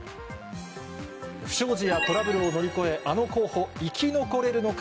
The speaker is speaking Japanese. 不祥事やトラブルを乗り越え、あの候補、生き残れるのか？